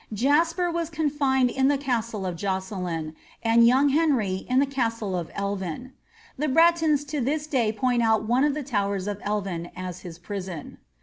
Jasper was confined in the castle of Jocelin, and younf Henry in the castle of Elrin. The Bretons to this day point out one of the towers of Elvin as his prison.